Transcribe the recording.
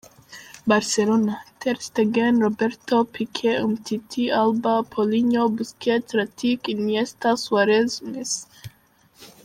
Barcelona: Ter Stegen; Roberto, Piqué, Umtiti, Alba; Paulinho, Busquets, Rakitić, Iniesta; Suárez, Messi.